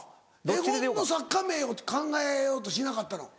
絵本の作家名を考えようとしなかったの？